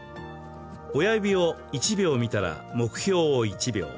親指を１秒見たら、目標を１秒。